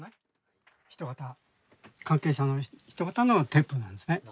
関係者の人がたのテープなんですね。